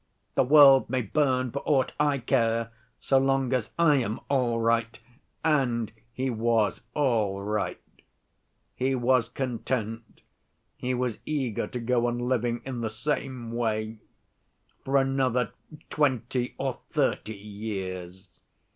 'The world may burn for aught I care, so long as I am all right,' and he was all right; he was content, he was eager to go on living in the same way for another twenty or thirty years.